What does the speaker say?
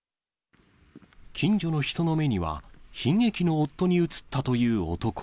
近所の人の目には、悲劇の夫に映ったという男。